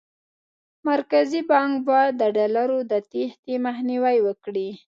مرکزي بانک باید د ډالرو د تېښتې مخنیوی وکړي.